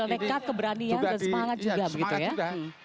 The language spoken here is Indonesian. semangat juga begitu ya